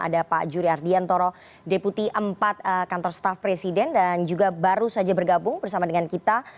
ada pak juri ardiantoro deputi empat kantor staff presiden dan juga baru saja bergabung bersama dengan kita